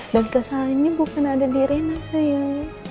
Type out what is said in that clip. dan kesalahannya bukan ada di rena sayang